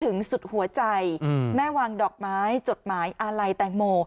สุดหัวใจแม่วางดอกไม้จดหมายอาลัยแตงโม